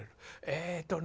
えっとね